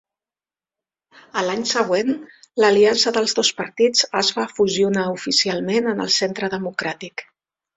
A l'any següent, l'aliança dels dos partits es va fusionar oficialment en el Centre Democràtic.